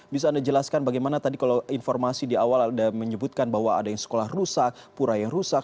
bisa anda jelaskan bagaimana tadi kalau informasi di awal anda menyebutkan bahwa ada yang sekolah rusak pura yang rusak